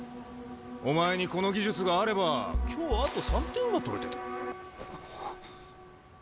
お前にこの技術があれば今日あと３点は取れてた。